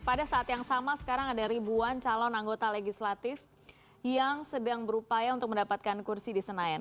pada saat yang sama sekarang ada ribuan calon anggota legislatif yang sedang berupaya untuk mendapatkan kursi di senayan